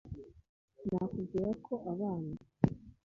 nakubwira ko abana